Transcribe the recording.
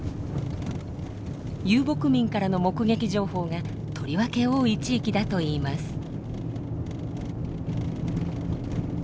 遊牧民からの目撃情報がとりわけ多い地域だといいます。